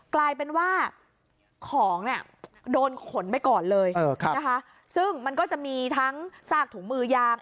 กลายเป็นว่าของเนี่ยโดนขนไปก่อนเลยนะคะซึ่งมันก็จะมีทั้งซากถุงมือยาง